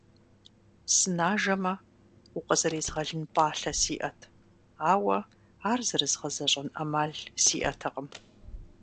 Сынажэмэ, укъызэрезгъэлын пӀалъэ сиӀэт, ауэ ар зэрызгъэзэщӏэн Ӏэмал сиӀэтэкъым.